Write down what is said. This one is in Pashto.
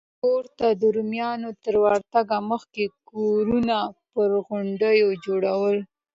ګول ته د رومیانو تر ورتګ مخکې کورونه پر غونډیو جوړول